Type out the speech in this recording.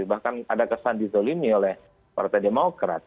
bahkan ada kesan dizolimi oleh partai demokrat